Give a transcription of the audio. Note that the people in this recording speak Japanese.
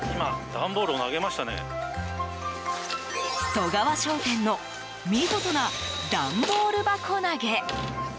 外川商店の見事な段ボール箱投げ。